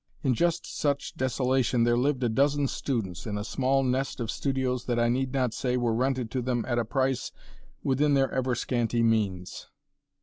In just such desolation there lived a dozen students, in a small nest of studios that I need not say were rented to them at a price within their ever scanty means.